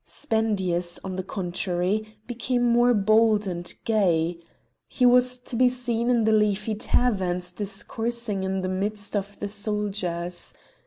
Spendius, on the contrary, became more bold and gay. He was to be seen in the leafy taverns discoursing in the midst of the soldiers.